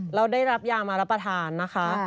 แล้วได้รับยามารับประทานนะคะ